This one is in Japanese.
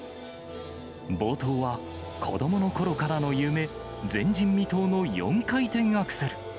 冒頭は子どものころからの夢、前人未到の４回転アクセル。